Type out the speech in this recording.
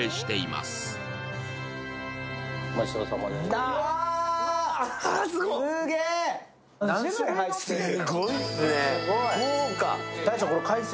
すごいっすね、豪華。